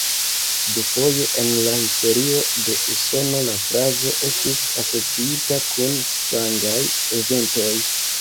Dufoje en la historio de Usono la frazo estis asociita kun sangaj eventoj.